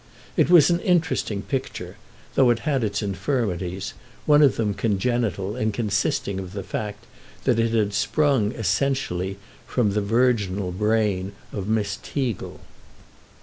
It was an interesting picture, though it had its infirmities, one of them congenital and consisting of the fact that it had sprung essentially from the virginal brain of Miss Teagle.